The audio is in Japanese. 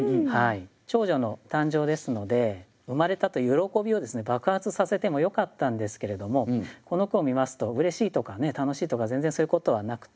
長女の誕生ですので生まれたという喜びを爆発させてもよかったんですけれどもこの句を見ますとうれしいとか楽しいとか全然そういうことはなくて。